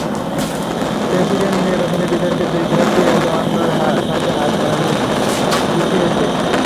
President নির্বাচনের বিতর্কে দুই প্রার্থীর একে অন্যের সঙ্গে হাত মেলানোর রীতি রয়েছে।